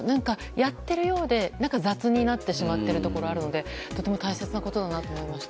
やっているようで雑になってしまっているところがあるのでとても大切なことだなと思いました。